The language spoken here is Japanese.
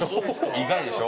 意外でしょ？